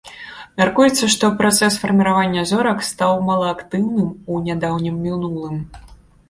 Мяркуецца, што працэс фармавання зорак стаў малаактыўным у нядаўнім мінулым.